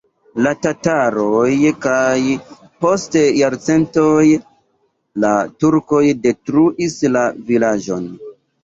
La tataroj kaj post jarcentoj la turkoj detruis la vilaĝon.